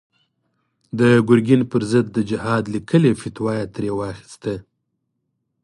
د ګرګين پر ضد د جهاد ليکلې فتوا يې ترې واخيسته.